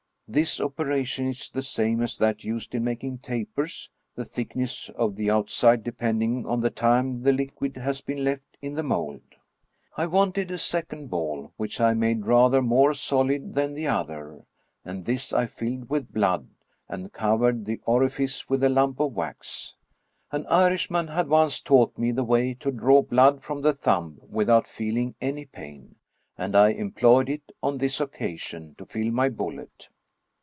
This operation is the same as that used in making tapers, the thickness of the outside depending on the time the liquid has been left in the mold. I wanted a second ball, which I made rather more solid than the other; and this I filled with blood, and covered the orifice with a lump of wax. An Irishman had once taught me the way to draw blood from the thimib without feeling any pain, and I employed it on this occasion to fill my bullet.